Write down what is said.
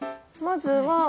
まずは。